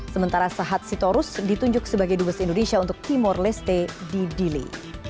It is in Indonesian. sementara sahat sitorus ditunjuk sebagai dubes indonesia untuk timur leste di dile